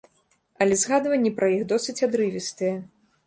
Але згадванні пра іх досыць адрывістыя.